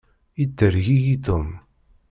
Yettergigi Tom.